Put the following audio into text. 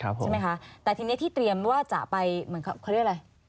ครับผมใช่ไหมคะแต่ทีนี้ที่เตรียมว่าจะไปเขาเรียกอะไร